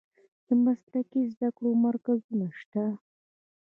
د مسلکي زده کړو مرکزونه شته؟